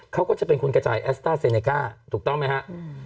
เขาก็จะเป็นคนกระจายแอสต้าเซเนก้าถูกต้องไหมฮะ